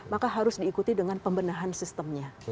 maka harus diikuti dengan pembenahan sistemnya